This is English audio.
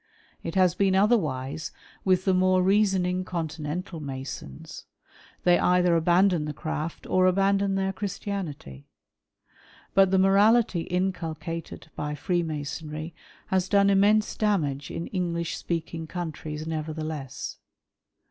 It has been otherwise with the more reasoning Continental Masons. They either abandon the Craft or abandon their Christianity. But the morality inculcated by Freemasonry has done immense damage in English speaking countries nevertheless.